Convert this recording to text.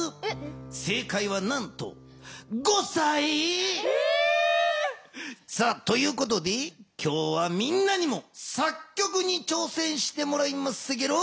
せいかいはなんとということで今日はみんなにも作曲にちょうせんしてもらいますゲロ。